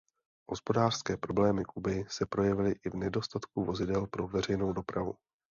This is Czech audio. Hospodářské problémy Kuby se projevily i v nedostatku vozidel pro veřejnou dopravu.